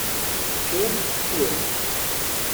Ččiɣ, swiɣ.